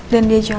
dan dia jawab